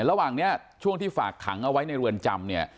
ระหว่างนี้ช่วงที่ฝากขังเอาไว้ในเรือนจำเนี่ย